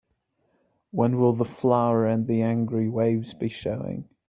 When will The Flower and the Angry Waves be showing?